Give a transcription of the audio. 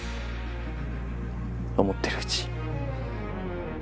思ってるうち。